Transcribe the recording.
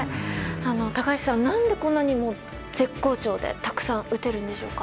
高橋選手、何でこんなにも絶好調でたくさん打てるんでしょうか？